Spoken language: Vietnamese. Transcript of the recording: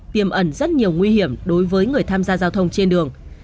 tiềm ẩn rất nhiều nguy hiểm đối với người tham gia giao thông trên đường